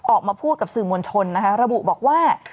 ออกมาพูดกับสื่อมวลชนนะคะระบุบอกว่า